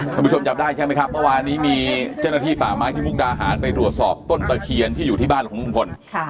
คุณผู้ชมจำได้ใช่ไหมครับเมื่อวานนี้มีเจ้าหน้าที่ป่าไม้ที่มุกดาหารไปตรวจสอบต้นตะเคียนที่อยู่ที่บ้านของลุงพล